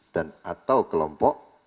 dan atau kelompok